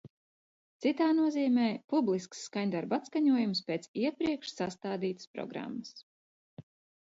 Citā nozīmē publisks skaņdarbu atskaņojums pēc iepriekš sastādītas programmas.